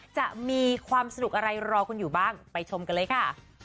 จะมีความสนุกอะไรรอคุณอยู่บ้างไปชมกันเลยค่ะ